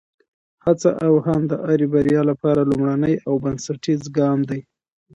هڅه او هاند د هرې بریا لپاره لومړنی او بنسټیز ګام دی.